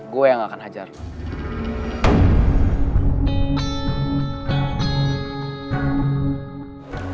gue yang akan hajar lo